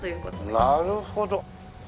なるほど。